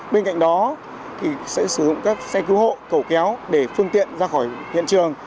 bên cạnh đó sẽ sử dụng các xe cứu hộ cầu kéo để phương tiện ra khỏi hiện trường